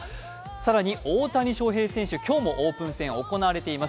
更に大谷翔平選手、今日もオープン戦が行われています。